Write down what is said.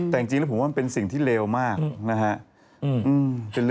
แต่จริงแล้วผมว่ามันเป็นสิ่งที่เลวมากนะฮะ